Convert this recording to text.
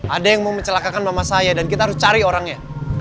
ada yang mau mencelakakan mama saya dan kita harus cari orangnya